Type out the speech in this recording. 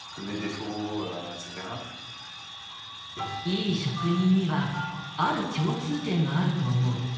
いい職人にはある共通点があると思う。